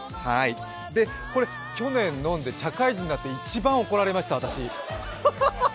で、これ、去年飲んで社会人になって一番怒られました。